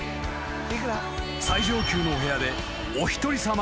［最上級のお部屋でお一人さま